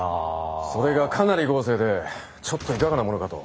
それがかなり豪勢でちょっといかがなものかと。